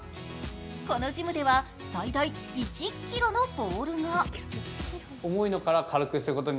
このジムでは最大１ｋｇのボールが。